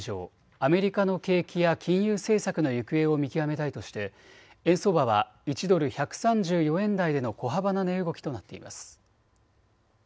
アメリカの景気や金融政策の行方を見極めたいとして円相場は１ドル１３４円台での小幅な値動きとなっています。